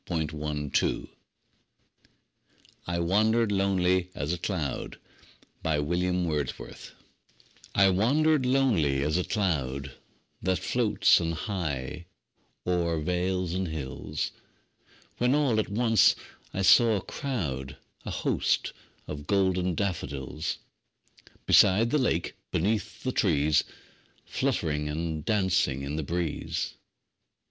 William Wordsworth I Wandered Lonely As a Cloud I WANDERED lonely as a cloud That floats on high o'er vales and hills, When all at once I saw a crowd, A host, of golden daffodils; Beside the lake, beneath the trees, Fluttering and dancing in the breeze.